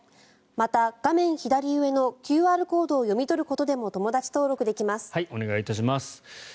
また、画面左上のＱＲコードを読み取ることでもお願いいたします。